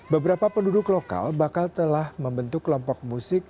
beberapa penduduk lokal bakal telah membentuk kelompok musik